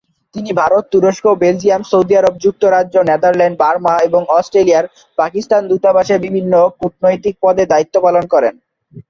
তিনি ভারত, তুরস্ক, Belgium, Saudi Arab, যুক্তরাজ্য, নেদারল্যান্ড, বার্মা এবং অস্ট্রেলিয়ায় পাকিস্তানি দূতাবাসে বিভিন্ন কূটনৈতিক পদে দায়িত্ব পালন করেন।